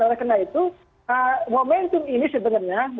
karena itu momentum ini sebenarnya